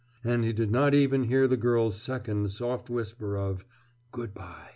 And he did not even hear the girl's second soft whisper of "Good by."